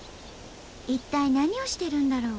一体何をしてるんだろう？